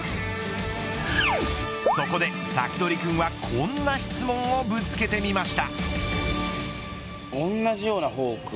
そこでサキドリ君はこんな質問をぶつけてみました。